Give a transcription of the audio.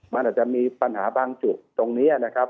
มันอาจจะมีปัญหาบางจุดตรงนี้นะครับ